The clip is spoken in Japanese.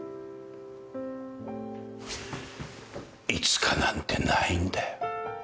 「いつか」なんてないんだよ。